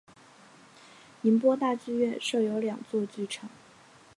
宁波大剧院设有两座剧场。